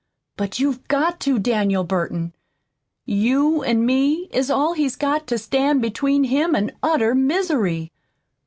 But you've got to, Daniel Burton. You an' me is all he's got to stand between him an' utter misery.